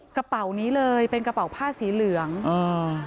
กระเป๋านี้เลยเป็นกระเป๋าผ้าสีเหลืองอ่า